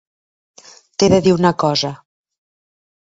T'he de dir una cosa.